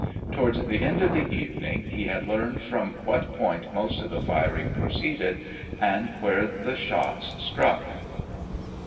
Towards the end of the evening, he had learned from what point most of the firing proceeded, and where the shots struck.